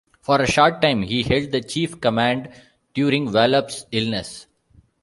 For a short time, he held the chief command during Wallop's illness.